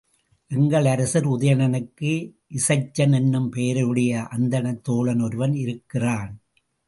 எங்கள் அரசர் உதயணனுக்கு இசைச்சன் என்னும் பெயரையுடைய அந்தணத் தோழன் ஒருவன் இருக்கிறான்.